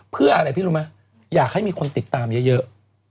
เพื่ออะไรพี่รู้ไหมอยากให้มีคนติดตามเยอะ